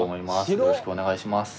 よろしくお願いします。